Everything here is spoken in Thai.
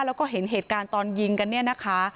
แล้วก็เห็นเหตุการณ์ตอนยิงกันเนี่ยนะคะ